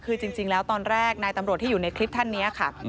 คือจริงแล้วตอนแรกนายตำรวจที่อยู่ในคลิปท่านนี้ค่ะ